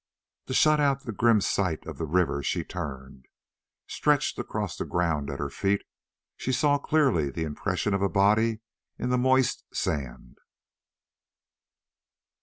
To shut out the grim sight of the river she turned. Stretched across the ground at her feet she saw clearly the impression of a body in the moist sand.